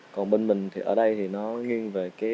còn bên mình thì ở đây thì nó nghiêng về cái hiện đại